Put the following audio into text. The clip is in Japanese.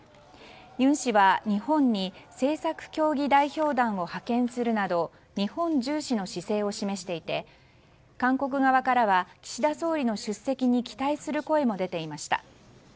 尹氏は、日本に政策協議代表団を派遣するなど日本重視の姿勢を示していて、韓国側からは岸田総理の出席に期待する声も出ていました。